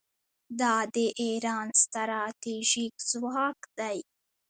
دا د ایران ستراتیژیک ځواک دی.